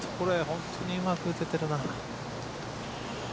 本当にうまく打ててるな。